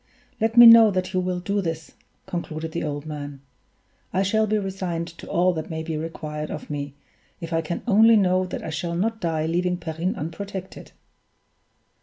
"Let me know that you will do this," concluded the old man; "I shall be resigned to all that may be required of me, if I can only know that I shall not die leaving Perrine unprotected."